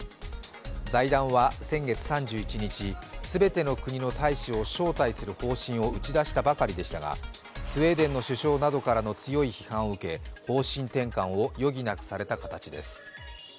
財団は先月３１日、全ての国の大使を招待する方針を打ち出したばかりでしたが、スウェーデンの首相などからの強い批判を受け、方針転換を余儀なくされた形です。